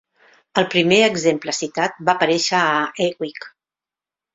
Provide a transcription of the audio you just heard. El primer exemple citat va aparèixer a eWeek.